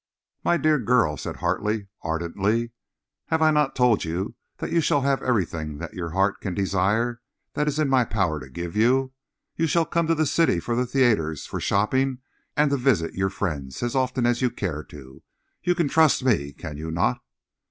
"My dear girl," said Hartley, ardently, "have I not told you that you shall have everything that your heart can desire that is in my power to give you? You shall come to the city for the theatres, for shopping and to visit your friends as often as you care to. You can trust me, can you not?"